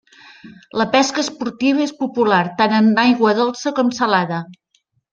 La pesca esportiva és popular tant en aigua dolça com salada.